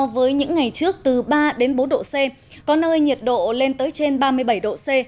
với những ngày trước từ ba đến bốn độ c có nơi nhiệt độ lên tới trên ba mươi bảy độ c